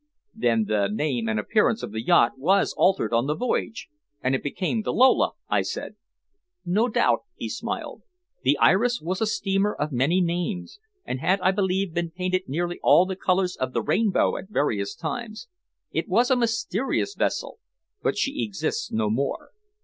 "Then the name and appearance of the yacht was altered on the voyage, and it became the Lola," I said. "No doubt," he smiled. "The Iris was a steamer of many names, and had, I believe, been painted nearly all the colors of the rainbow at various times. It was a mysterious vessel, but she exists no more.